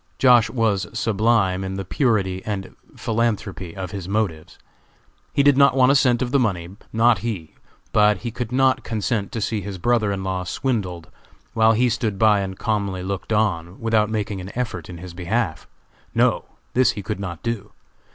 Josh. was sublime in the purity and philanthropy of his motives. He did not want a cent of the money; not he! but he could not consent to see his brother in law swindled while he stood by and calmly looked on, without making an effort in his behalf. No! this he could not do.